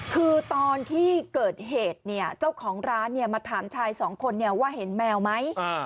คือตอนที่เกิดเหตุเนี่ยเจ้าของร้านมาถามชายสองคนว่าเห็นแมวไหม